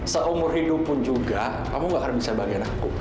seumur hidup pun juga kamu gak akan bisa bagiin aku